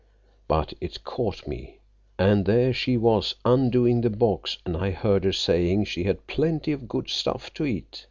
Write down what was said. But it caught me. An' there she was, undoing the box, and I heard her saying she had plenty of good stuff to eat.